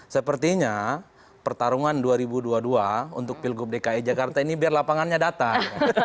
sepertinya pertarungan dua ribu dua puluh dua untuk pilgub dki jakarta ini biar lapangannya datang